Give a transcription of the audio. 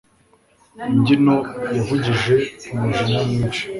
Imbyino yavugije umujinya mwinshi